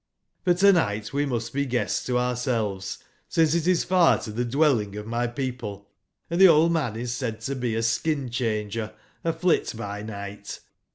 for to /night must we be guests to ourselves, since it is far to the dwelling of my peo ple, and the old man is said to be a skin /changer, a fiit/by/night.